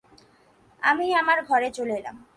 আমি আমার ঘরে চলে এলাম।